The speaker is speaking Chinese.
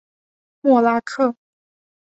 默拉克。